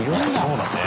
そうだね。